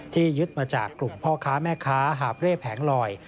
ยึดมาจากกลุ่มพ่อค้าแม่ค้าหาบเร่แผงลอย